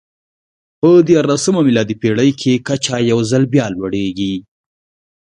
په دیارلسمه میلادي پېړۍ کې کچه یو ځل بیا لوړېږي.